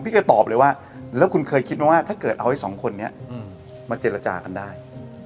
จะตอบเลยว่าแล้วคุณเคยคิดไหมว่าถ้าเกิดเอาไอ้สองคนนี้มาเจรจากันได้